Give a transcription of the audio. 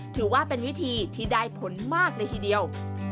ถือว่าเป็นวิธีที่ได้ผลมากเลยทีเดียว